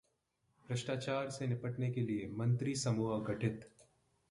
भ्रष्टाचार से निपटने के लिए मंत्री समूह गठित